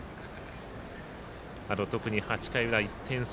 あと、特に８回裏１点差。